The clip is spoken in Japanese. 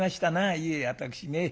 いえ私ね